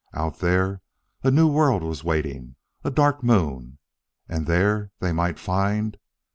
Out there a new world was waiting a Dark Moon! and there they might find....